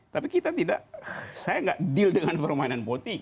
tapi kita tidak saya tidak deal dengan permainan politik